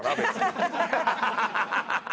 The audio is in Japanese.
ハハハハ！